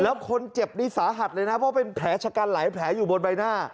แล้วคนเจ็บนี่สาหัสเลยนะเพราะเป็นแผลชะกันหลายแผลอยู่บนใบหน้า